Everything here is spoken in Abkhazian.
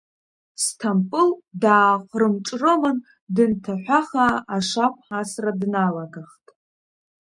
Сҭампыл, дааҟрымҿрымын, дынҭаҳәахаа ашақә асра дналагахт.